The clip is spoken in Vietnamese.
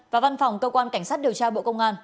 và văn phòng cơ quan cảnh sát điều tra bộ công an